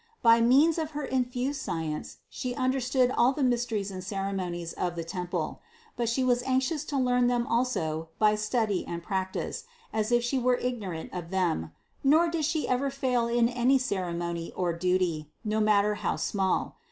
By means of her infused science She understood all the mysteries and ceremonies of the temple; but She was anxious to learn them also by study and practice, as if She were ignorant of them, nor did She ever fail in any ceremony or duty, no matter how small.